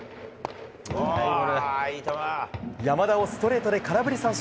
山田をストレートで空振り三振。